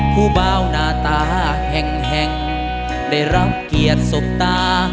เบาหน้าตาแห่งได้รับเกียรติสบตา